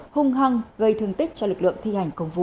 hung hăng gây thương tích cho lực lượng thi hành công vụ